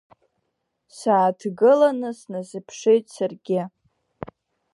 Сааҭгыланы сназыԥшит саргьы.